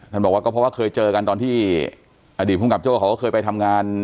บอกว่าก็เพราะว่าเคยเจอกันตอนที่อดีตภูมิกับโจ้เขาก็เคยไปทำงาน